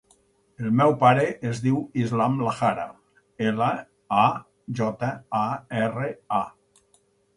El meu pare es diu Islam Lajara: ela, a, jota, a, erra, a.